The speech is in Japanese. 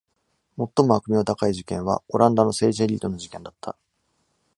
最も悪名高い事件は、オランダの政治エリートの事件だった。